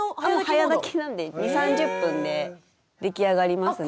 もう早炊きなんで２０３０分で出来上がりますね。